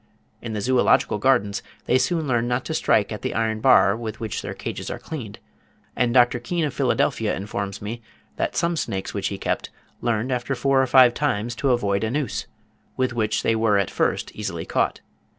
In the Zoological Gardens they soon learn not to strike at the iron bar with which their cages are cleaned; and Dr. Keen of Philadelphia informs me that some snakes which he kept learned after four or five times to avoid a noose, with which they were at first easily caught.